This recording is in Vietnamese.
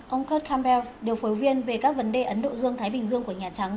ông kurt campbell điều phối viên về các vấn đề ấn độ dương thái bình dương của nhà trắng